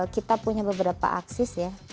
kita punya beberapa akses ya